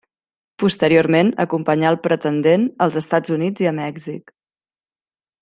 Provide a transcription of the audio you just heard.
Posteriorment acompanyà al pretendent als Estats Units i a Mèxic.